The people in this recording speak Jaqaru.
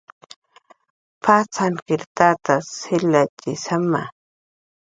Patzankir tatas jilatxi satna.